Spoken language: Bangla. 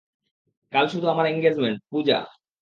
কাল শুধু আমার এনগেজমেন্ট, পূজা।